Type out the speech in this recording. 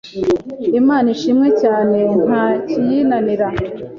Imana ishimwe cyane nta kiyinanira